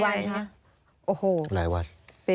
กี่วันคะ